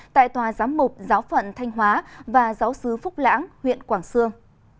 tại tòa giám mục giáo phận thanh hóa và giáo sứ phúc lãng huyện quảng sương